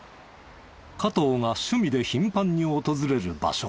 加藤が趣味で頻繁に訪れる場所。